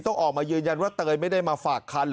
ต้องออกมายืนยันว่าเตยไม่ได้มาฝากคัน